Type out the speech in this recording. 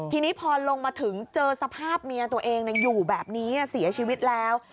ทีนี้พอลงมาถึงเจอสภาพเมียตัวเองอยู่แบบนี้เสียชีวิตแล้ว